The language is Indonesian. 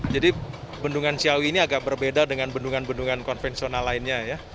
jadi bendungan ciawi ini agak berbeda dengan bendungan bendungan konvensional lainnya ya